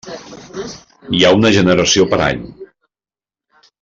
Hi ha una generació per any.